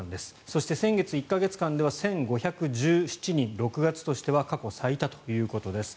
そして、先月１か月間では１５１７人、６月としては過去最多ということです。